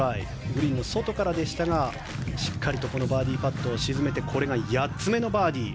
グリーンの外からでしたがしっかりバーディーパットを沈めて８つ目のバーディー。